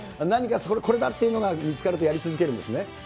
何かこれだっていうのが見つかるとやり続けるんですね。